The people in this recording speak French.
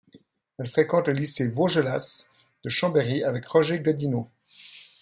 Il fréquente le lycée Vaugelas de Chambéry avec Roger Godino.